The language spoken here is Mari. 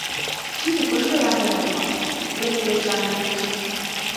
— Тиде кож гаяк мыят улам, — лекте Эчанын йӱкшӧ.